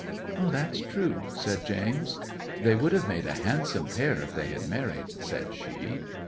'"That's true," said James. '"They would have made a handsome pair if they had married," said she.